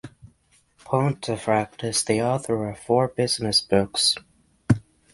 Pontefract is the author of four business books.